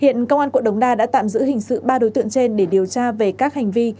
hiện công an quận đống đa đã tạm giữ hình sự ba đối tượng trên để điều tra về các hành vi